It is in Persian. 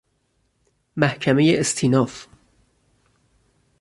محکمۀ استیناف